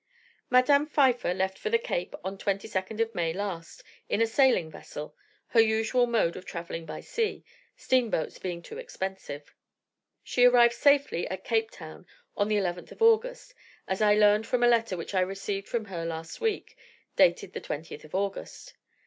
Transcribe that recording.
"Madame Pfeiffer left for the Cape, on the 22nd of May last, in a sailing vessel her usual mode of travelling by sea, steamboats being too expensive. She arrived safely at Cape Town on the 11th of August, as I learned from a letter which I received from her last week, dated the 20th of August.